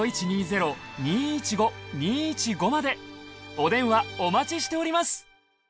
お電話お待ちしております。